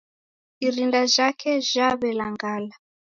Irinda jhake jhawe langala.